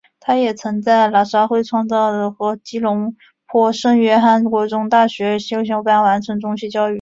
他也曾在喇沙会创办的和吉隆坡圣约翰国中大学先修班完成中学教育。